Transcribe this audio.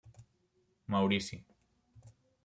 Maurici.